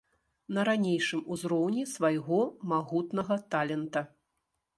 На ранейшым узроўні свайго магутнага талента.